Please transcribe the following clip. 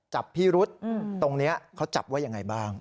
จับพิรุษตรงนี้เขาจับว่ายังไงบ้าง